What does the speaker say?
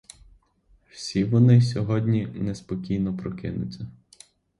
Всі вони сьогодні неспокійно прокинуться!